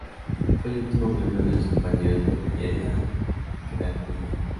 Fue el último miembro de los "compañeros de merienda" en quedar con vida.